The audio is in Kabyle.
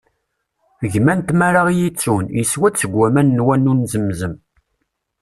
Gma n tmara i iyi-ittun, yeswa-d seg waman n wanu n Zemzem.